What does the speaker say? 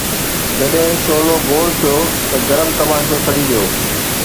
جڏهن شعلو گوڙ ٿيو ته گرم تماشو سڙي ويو